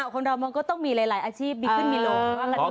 คนดอมมงก็ต้องมีหลายอาชีพมีขึ้นมีหลง